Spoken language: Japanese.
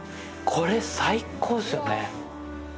これ、最高っすよね！